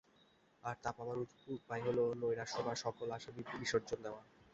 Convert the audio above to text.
আর তা পাবার উপায় হল নৈরাশ্য বা সকল আশা বিসর্জন দেওয়া।